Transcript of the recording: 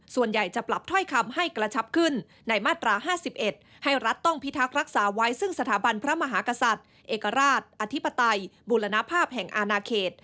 ส่วนใหญ่จะปรับถ้อยคำให้กระชับขึ้นในมาตรา๕๑ให้รัฐต้องพิทักษ์รักษาไว้ซึ่งสถาบันพระมหากษัตริย์เอกราชอธิปไตยบูรณภาพแห่งอาณาเขต